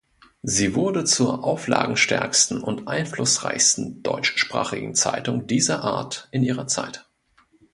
Sie wurde zur auflagenstärksten und einflussreichsten deutschsprachigen Zeitung dieser Art in ihrer Zeit.